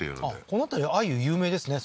この辺り鮎有名ですね